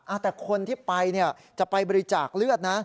แต่คนที่ไปเนี่ยจะไปบริจาคเลือดนะ